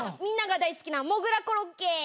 みんなが大好きなもぐらコロッケ。